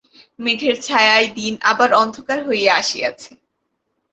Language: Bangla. মেঘের ছায়ায় দিন আবার অন্ধকার হইয়া আসিয়াছে।